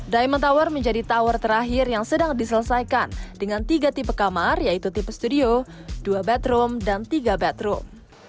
diamond tower menjadi tower terakhir yang sedang diselesaikan dengan tiga tipe kamar yaitu tipe studio dua bedroom dan tiga bedroom